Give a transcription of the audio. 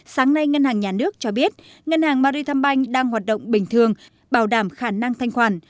sáng nay ngân hàng nhà nước cho biết ngân hàng marie tham banh đang hoạt động bình thường bảo đảm khả năng thanh khoản